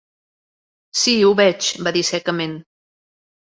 "Sí, ho veig", va dir secament.